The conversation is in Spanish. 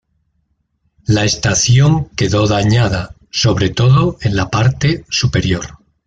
La estación quedó dañada, sobre todo en la parte superior.